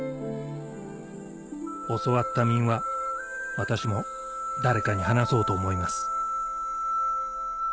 教わった民話私も誰かに話そうと思います